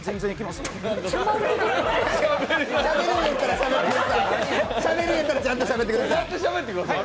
しゃべるんだったらちゃんとしゃべってください。